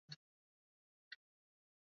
kiroboto mkubwa